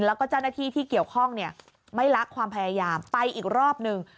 แล้วก็เจ้าหน้าที่ที่เกี่ยวข้องไม่ละความพยายามไปอีกรอบหนึ่ง